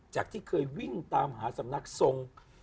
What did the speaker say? จากที่เคยวิ่งตามหาสำนักทรง